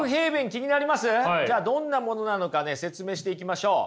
じゃあどんなものなのか説明していきましょう。